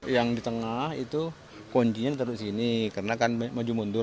yang di tengah itu kuncinya tetap di sini karena kan maju mundur